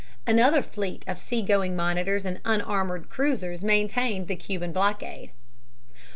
Another fleet of sea going monitors and unarmored cruisers maintained the Cuban blockade.